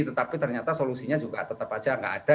tetapi ternyata solusinya juga tetap saja nggak ada